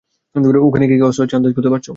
ওখানে কী কী অস্ত্র আছে আন্দাজ করতে পারছো?